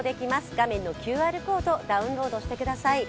画面のＱＲコード、ダウンロードしてください。